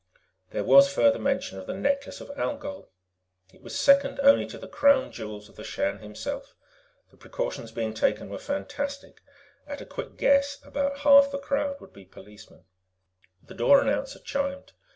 _ There was further mention of the Necklace of Algol; it was second only to the Crown Jewels of the Shan himself. The precautions being taken were fantastic; at a quick guess, about half the crowd would be policemen. The door announcer chimed.